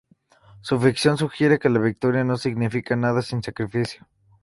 Su ficción sugiere que "la victoria no significa nada sin sacrificio.